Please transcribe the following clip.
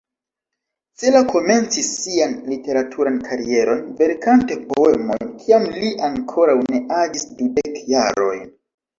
Cela komencis sian literaturan karieron verkante poemojn kiam li ankoraŭ ne aĝis dudek jarojn.